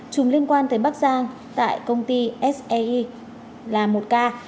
chủng liên quan tới bắc giang tại công ty sae là một ca